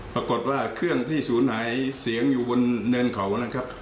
ปรากฏว่าเครื่องที่ศูนย์หายเสียงอยู่บนเนินเขานะครับ